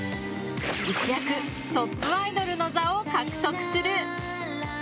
一躍トップアイドルの座を獲得する。